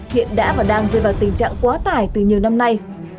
hiện đã và đang rơi vào tình trạng quá tải từ nhiều năm nay